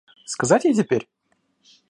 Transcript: Сказать ей теперь?